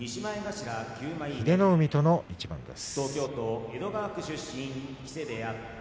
英乃海との一番です。